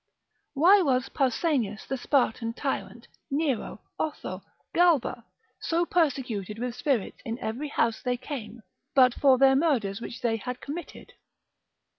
Why was Pausanias the Spartan tyrant, Nero, Otho, Galba, so persecuted with spirits in every house they came, but for their murders which they had committed?